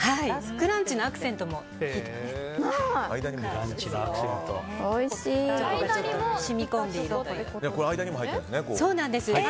クランチのアクセントもいいですよね。